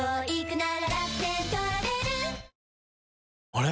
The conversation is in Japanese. あれ？